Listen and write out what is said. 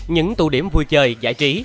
những tụ điểm vui chơi giải trí